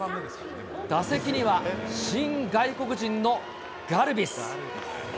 打席には新外国人のガルビス。